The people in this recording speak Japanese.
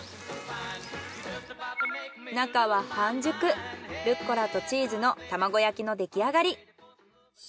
中は半熟ルッコラとチーズの玉子焼きのできあがり。